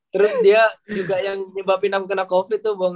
terus dia juga yang nyebabin aku kena covid itu bong